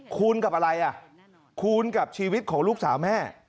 คูณกับอะไรอ่ะคูณกับชีวิตของลูกสาวแม่